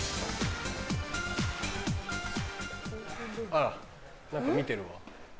あら何か見てるわ。